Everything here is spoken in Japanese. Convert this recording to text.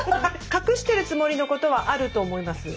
隠してるつもりのことはあると思います。